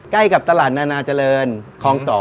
ใกล้กับตลาดนานาเจริญคลอง๒